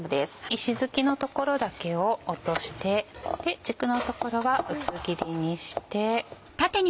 石づきの所だけを落として軸の所は薄切りにして。